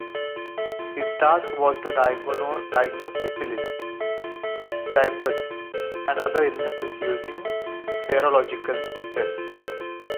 His task was to diagnose syphilis, typhus and other illnesses using serological tests.